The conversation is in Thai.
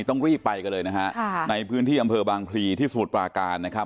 ต้องรีบไปกันเลยนะฮะในพื้นที่อำเภอบางพลีที่สมุทรปราการนะครับ